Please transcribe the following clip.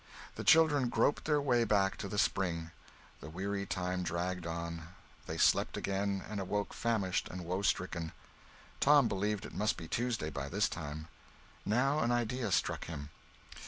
The children groped their way back to the spring. The weary time dragged on; they slept again, and awoke famished and woe stricken. Tom believed it must be Tuesday by this time. Now an idea struck him.